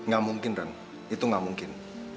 gak mungkin ren itu gak mungkin